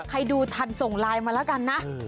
ใครดูทันส่งไลน์มาแล้วกันนะ